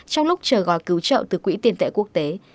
trong lúc chờ gói cứu trợ từ quỹ tiền tệ quốc tế